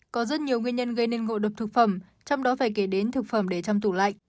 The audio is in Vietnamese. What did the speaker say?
có rất nhiều nguyên nhân gây nên ngộ độc thực phẩm trong đó phải kể đến thực phẩm để chăm tủ lạnh